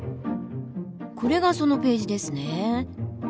これがそのページですね。